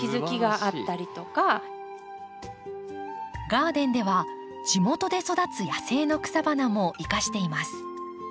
ガーデンでは地元で育つ野生の草花も生かしています。